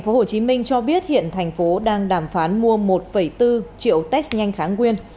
tp hcm cho biết hiện tp đang đàm phán mua một bốn triệu test nhanh kháng nguyên